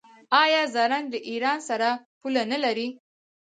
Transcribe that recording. آیا زرنج له ایران سره پوله نلري؟